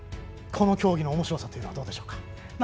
この競技のおもしろさはどうでしょうか。